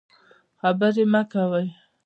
د خبرې مه کوئ.